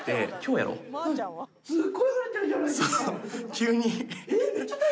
急に。